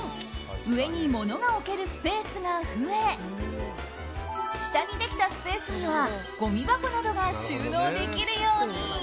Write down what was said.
上に物が置けるスペースが増え下にできたスペースにはごみ箱などが収納できるように。